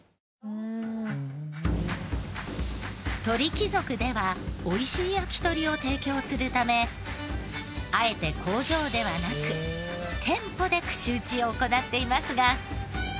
鳥貴族では美味しい焼鳥を提供するためあえて工場ではなく店舗で串打ちを行っていますが。